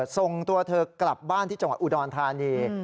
ส่งตัวเธอกลับบ้านที่จังหวัดอุดรธานี